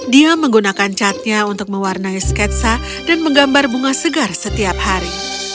dia menggunakan catnya untuk mewarnai sketsa dan menggambar bunga segar setiap hari